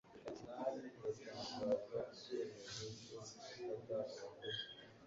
Arsenal iratangaza icyemezo cyo gufata abakozi